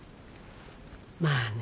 まあね